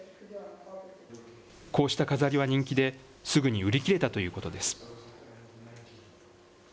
こうした飾りは人気で、すぐに売り切れたということです。